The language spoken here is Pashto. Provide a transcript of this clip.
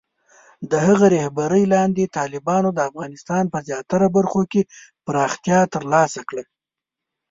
د هغه رهبرۍ لاندې، طالبانو د افغانستان په زیاتره برخو کې پراختیا ترلاسه کړه.